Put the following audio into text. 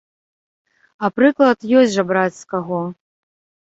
А прыклад ёсць жа браць з каго!